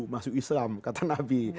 masuk islam kata nabi